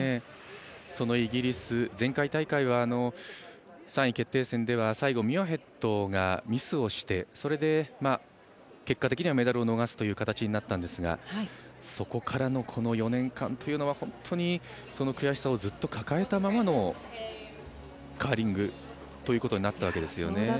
そのイギリス前回大会は、３位決定戦で最後、ミュアヘッドがミスをしてそれで結果的にはメダルを逃すという形になったんですがそこからのこの４年間はその悔しさをずっと抱えたままのカーリングということになったわけですよね。